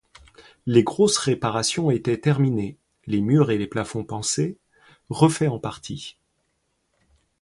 Les grosses réparations étaient terminées, les murs et les plafonds pansés, refaits en partie.